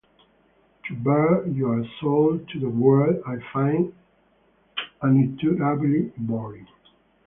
To bare your soul to the world, I find unutterably boring.